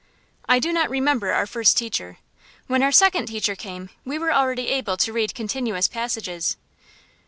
I do not remember our first teacher. When our second teacher came we were already able to read continuous passages.